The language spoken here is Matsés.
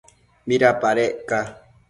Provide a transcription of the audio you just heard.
¿midapadec ca?